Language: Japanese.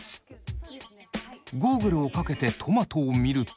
ゴーグルをかけてトマトを見ると。